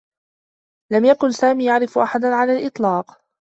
لم يكن سامي يعرف أحدا على الإطلاق.